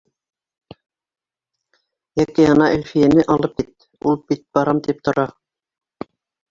Йәки, ана, Әлфиәне алып кит. Ул бит барам тип тора.